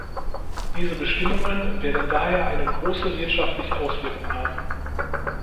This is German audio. Diese Bestimmungen werden daher eine große wirtschaftliche Auswirkung haben.